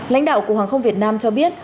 lãnh đạo cục hoàng không việt nam cho biết